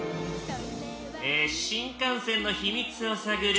新幹線の秘密を探る